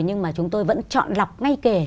nhưng mà chúng tôi vẫn chọn lọc ngay kể